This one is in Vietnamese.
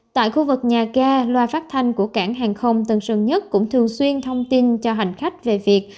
tại khu vực nhà ga loa phát thanh của cảng hàng không tân sơn nhất cũng thường xuyên thông tin cho hành khách về việc